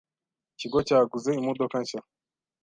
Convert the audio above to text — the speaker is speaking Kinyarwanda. Ikigo cyaguze imodoka nshya.